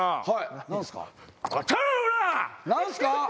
はい何すか？